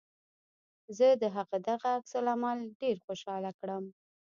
زه د هغه دغه عکس العمل ډېر خوشحاله کړم